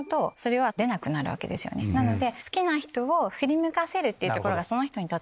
なので。